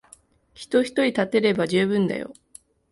人ひとり立てれば充分だよ。